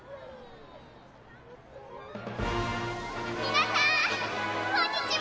「皆さんこんにちは！」。